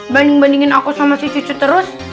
banding bandingin aku sama si cucu terus